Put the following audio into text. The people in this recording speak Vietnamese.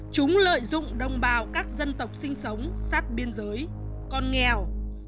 chúng lợi dụng đồng bào các dân tộc sinh sống sát biên giới còn nghèo